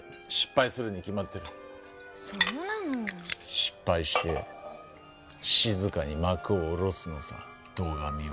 失敗して静かに幕を下ろすのさ堂上は。